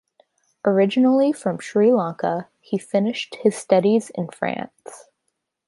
Originally from Sri Lanka, he finished his studies in France.